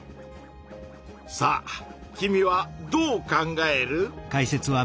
さあ君はどう考える？